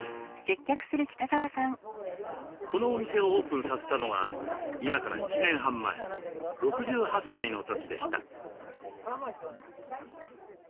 このお店をオープンさせたのは今から１年半前６８歳の時でした。